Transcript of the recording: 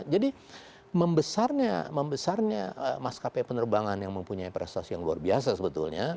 jadi membesarnya maskapai penerbangan yang mempunyai prestasi yang luar biasa sebetulnya